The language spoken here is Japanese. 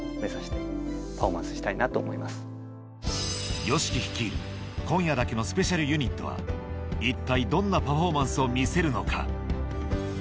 ＹＯＳＨＩＫＩ率いる今夜だけのスペシャルユニットは一体どんなパフォーマンスを見せるのか？